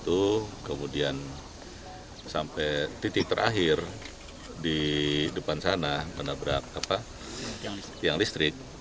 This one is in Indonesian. itu kemudian sampai titik terakhir di depan sana menabrak tiang listrik